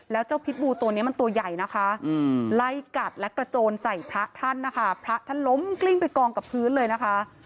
แล้วเจ้าพิษบูตัวนี้มันตัวใหญ่นะคะไล่กัดและกระโจนใส่พระท่านนะคะพระท่านล้มกลิ้งไปกองกับพื้นเลยนะคะ